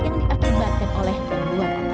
yang diakibatkan oleh dua orang